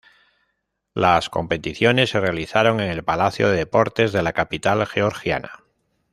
Las competiciones se realizaron en el Palacio de Deportes de la capital georgiana.